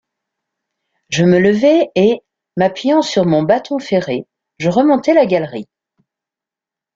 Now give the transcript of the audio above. Je me levai et, m’appuyant sur mon bâton ferré, je remontai la galerie.